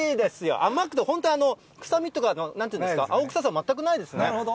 甘くて、本当、臭みとか、青臭さ、全くないですね。